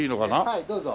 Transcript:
はいどうぞ。